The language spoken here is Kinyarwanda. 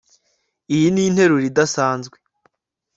Iyi ni interuro idasanzwe